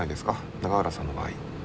永浦さんの場合。